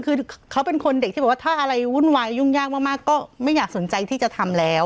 คือเขาเป็นคนเด็กที่บอกว่าถ้าอะไรวุ่นวายยุ่งยากมากก็ไม่อยากสนใจที่จะทำแล้ว